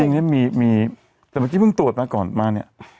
อย่างนี้มีแต่เมื่อกี้เพิ่งตรวจมาก่อนมาเนี่ย